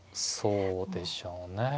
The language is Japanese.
そうでしょうね。